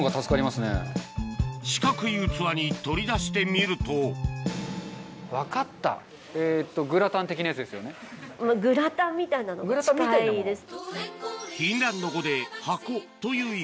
四角い器に取り出してみるとグラタンみたいなのに近いです。